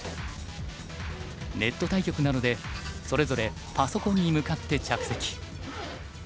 ネット対局なのでそれぞれパソコンに向かって着席。